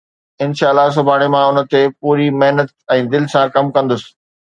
انشاءَ الله، سڀاڻي مان ان تي پوري محنت ۽ دل سان ڪم ڪندس.